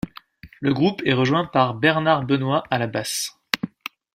Le groupe est rejoint par Bernard Benoît à la basse.